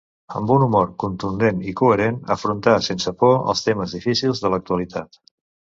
Amb un humor contundent i coherent, afronta sense por els temes difícils de l'actualitat.